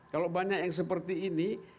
kalau banyak yang seperti ini